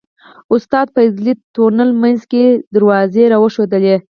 استاد فضلي تونل منځ کې دروازې راوښودلې.